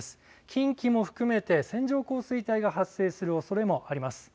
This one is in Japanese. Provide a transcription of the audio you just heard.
近畿も含めて線状降水帯が発生するおそれもあります。